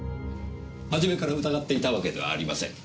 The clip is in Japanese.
初めから疑っていたわけではありません。